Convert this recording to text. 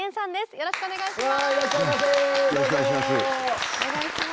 よろしくお願いします。